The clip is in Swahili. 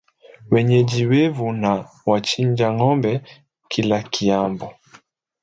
Wenyeji wevu wa na chinja ng'ombe kilakiambo